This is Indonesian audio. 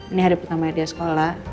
ini hari pertama dia sekolah